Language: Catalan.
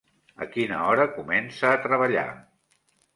I a quina hora comença a treballar?